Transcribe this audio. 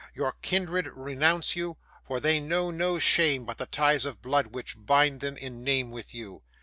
Your kindred renounce you, for they know no shame but the ties of blood which bind them in name with you.